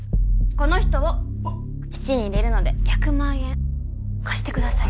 この人を質に入れるので１００万円貸してください。